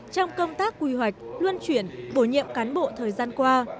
trong công tác quy hoạch luân chuyển bổ nhiệm cán bộ thời gian qua